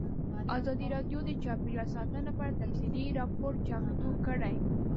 ازادي راډیو د چاپیریال ساتنه په اړه تفصیلي راپور چمتو کړی.